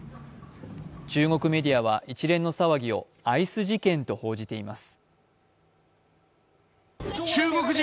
中国メディアは一連の騒ぎをアイス事件と報じています。